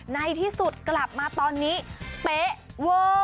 ในที่สุดกลับมาตอนนี้เป๊ะเวอร์